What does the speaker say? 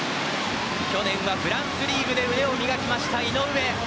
去年はフランスリーグで腕を磨いた、井上。